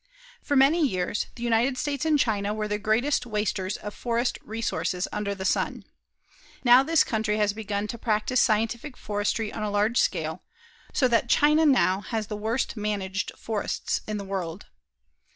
For many years, the United States and China were the greatest wasters of forest resources under the sun. Now this country has begun to practice scientific forestry on a large scale so that China now has the worst managed forests in the world.